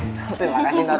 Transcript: terima kasih non